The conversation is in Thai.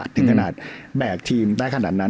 ถึงขนาดแบกทีมได้ขนาดนั้น